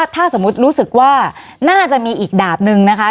ถ้าสมมุติรู้สึกว่าน่าจะมีอีกดาบนึงนะคะ